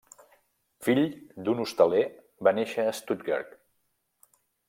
Fill d'un hostaler, va néixer a Stuttgart.